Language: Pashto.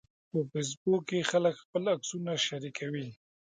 په فېسبوک کې خلک خپل عکسونه شریکوي